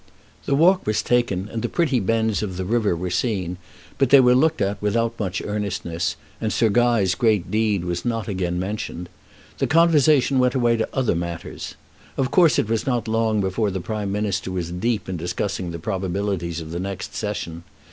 The walk was taken, and the pretty bends of the river were seen; but they were looked at without much earnestness, and Sir Guy's great deed was not again mentioned. The conversation went away to other matters. Of course it was not long before the Prime Minister was deep in discussing the probabilities of the next Session.